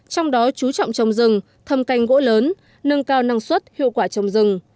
trong đó chú trọng trồng rừng thâm canh gỗ lớn nâng cao năng suất hiệu quả trồng rừng